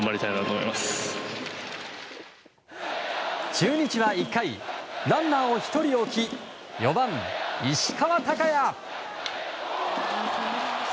中日は１回ランナーを１人置き４番、石川昂弥。